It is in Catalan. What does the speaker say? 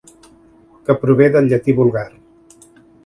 Que prové del llatí vulgar.